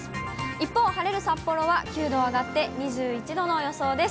一方、晴れる札幌は９度上がって２１度の予想です。